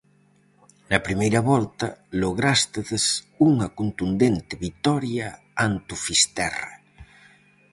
Na primeira volta, lográstedes unha contundente vitoria ante o Fisterra.